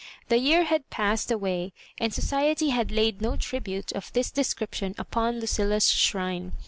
The year had passed away, and society had laid no tribute of this de scription upon Lucilla's shrine.